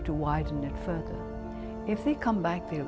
jika mereka kembali mereka akan aman